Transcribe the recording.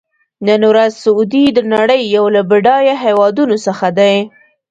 نن ورځ سعودي د نړۍ یو له بډایه هېوادونو څخه دی.